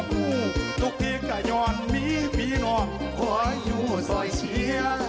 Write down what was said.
ทุกที่ก็ยอดมีวีรพงษ์ขออยู่สอยเชีย